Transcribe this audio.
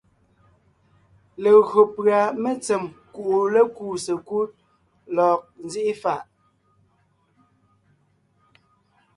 Legÿo pʉ́a mentsèm kuʼu lékúu sekúd lɔg nzíʼi fàʼ,